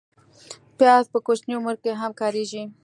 پیاز په کوچني عمر کې هم کارېږي